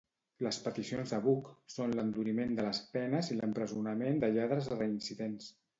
Les peticions de Buch són l'enduriment de les penes i l'empresonament de lladres reincidents.